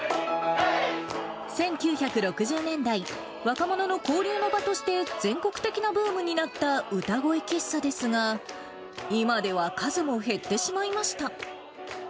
１９６０年代、若者の交流の場として全国的なブームになった歌声喫茶ですが、今では数も減ってしまいました。